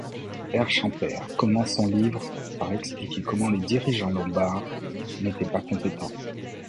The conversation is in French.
Erchempert commence son livre par expliquer comment les dirigeants lombards n’étaient pas compétents.